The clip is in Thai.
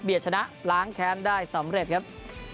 ชนะล้างแค้นได้สำเร็จครับ